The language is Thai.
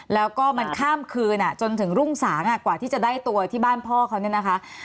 แล้วก็มันข้ามคืนจนถึงรุ่งสางกว่าที่จะได้ตัวที่บ้านพ่อเขาเนี่ยนะคะ